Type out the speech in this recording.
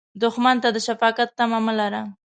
دښمن ته د شفقت تمه مه لره